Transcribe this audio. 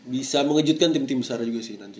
bisa mengejutkan tim tim besar juga